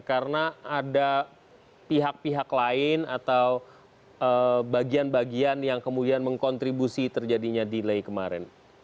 karena ada pihak pihak lain atau bagian bagian yang kemudian mengkontribusi terjadinya delay kemarin